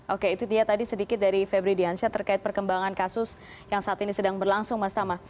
oke itu dia tadi sedikit dari febri diansyah terkait perkembangan kasus yang saat ini sedang berlangsung mas tama